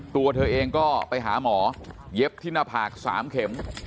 ตัวเธอเองก็ไปหาหมอเย็บที่หน้าผาก๓เข็ม